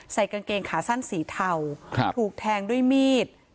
กางเกงขาสั้นสีเทาถูกแทงด้วยมีด